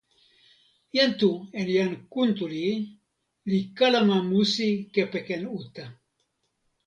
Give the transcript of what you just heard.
jan Tu en jan Kuntuli li kalama musi kepeken uta.